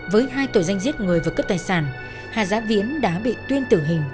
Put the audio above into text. với hai tội danh giết người và cướp tài sản hà gia viễn đã bị tuyên tử hình